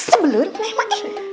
sebelen emak ini